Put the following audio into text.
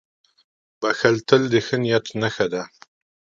• بښل تل د ښه نیت نښه ده.